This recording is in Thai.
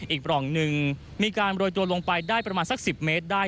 ปล่องหนึ่งมีการโรยตัวลงไปได้ประมาณสัก๑๐เมตรได้